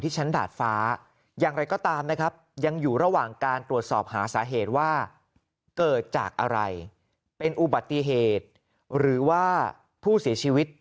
ชั้นดาดฟ้าอย่างไรก็ตามนะครับยังอยู่ระหว่างการตรวจสอบหาสาเหตุว่าเกิดจากอะไรเป็นอุบัติเหตุหรือว่าผู้เสียชีวิต